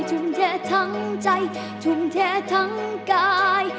ทุนแท้ทั้งใจทุนแท้ทั้งกาย